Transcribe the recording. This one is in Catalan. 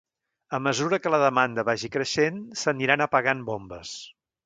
A mesura que la demanda vagi creixent, s'aniran apagant bombes.